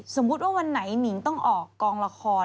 สมมุติว่าวันไหนหนิงต้องออกกองละคร